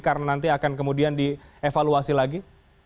karena nanti akan kemudian dievaluasi lagi